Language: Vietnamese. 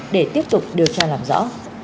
điệp tiếp tục điều tra làm rõ